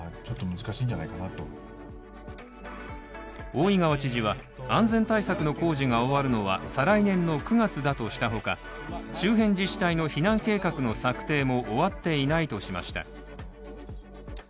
大井川知事は、安全対策の工事が終わるのは再来年の９月だとしたほか周辺自治体の避難計画の策定も終わっていないとしました。